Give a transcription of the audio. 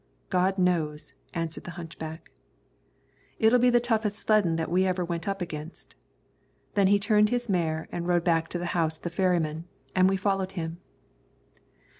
"God knows," answered the hunchback. "It'll be the toughest sleddin' that we ever went up against." Then he turned his mare and rode back to the house of the ferrymen, and we followed him.